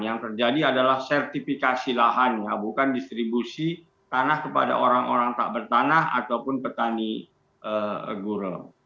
yang terjadi adalah sertifikasi lahannya bukan distribusi tanah kepada orang orang tak bertanah ataupun petani gurau